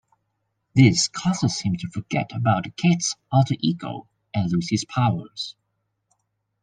This causes him to forget about Kate's alter-ego and lose his powers.